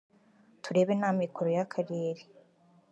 turebe n’amikoro y’akarere